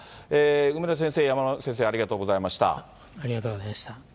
梅田先生、山村先生、ありがとうございました。